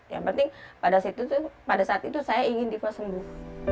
yang penting pada saat itu saya ingin diva sembuh